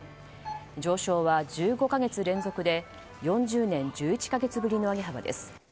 上昇は１５か月連続で４０年１１か月ぶりの上げ幅です。